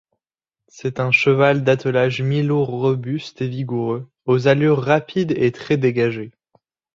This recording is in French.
C'est un cheval d'attelage mi-lourd robuste et vigoureux, aux allures rapides et très dégagées.